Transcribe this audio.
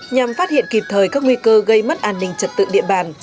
nhằm phát hiện kịp thời các nguy cơ gây mất an ninh trật tự địa bàn